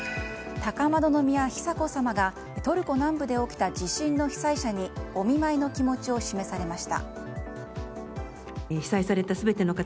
高円宮久子さまがトルコ南部で起きた地震の被災者にお見舞いの気持ちを示されました。